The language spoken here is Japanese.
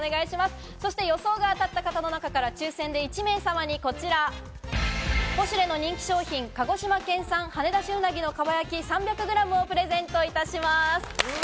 予想が当たった方の中から抽選で１名様にこちら、ポシュレの人気商品「鹿児島県産はねだし鰻の蒲焼３００ｇ」をプレゼントいたします。